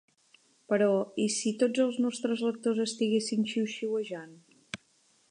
Però, i si tots els nostres lectors estiguessin xiuxiuejant?